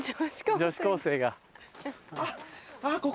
女子高生。